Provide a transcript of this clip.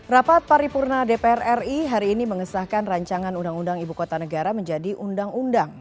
rapat paripurna dpr ri hari ini mengesahkan rancangan undang undang ibu kota negara menjadi undang undang